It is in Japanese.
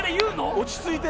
落ち着いて。